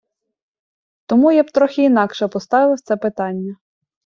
Тому я б трохи інакше поставив це питання.